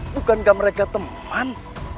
bukankah mereka teman